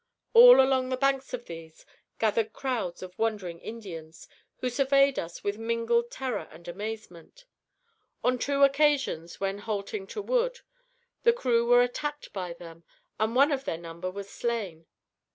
All along the banks of these gathered crowds of wondering Indians, who surveyed us with mingled terror and amazement. On two occasions, when halting to wood, the crew were attacked by them, and one of their number was slain.